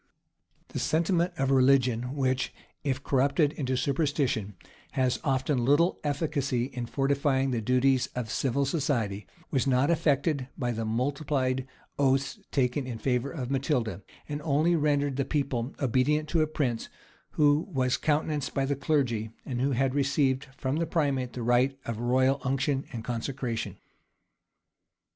] The sentiment of religion which, if corrupted into superstition, has often little efficacy in fortifying the duties of civil society, was not affected by the multiplied oaths taken in favor of Matilda, and only rendered the people obedient to a prince who was countenanced by the clergy, and who had received from the primate the rite of royal unction and consecration.